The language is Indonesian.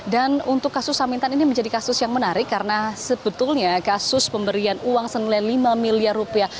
dan untuk kasus samintan ini menjadi kasus yang menarik karena sebetulnya kasus pemberian uang senilai lima miliar rupiah